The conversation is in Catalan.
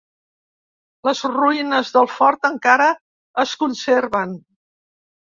Les ruïnes del fort encara es conserven.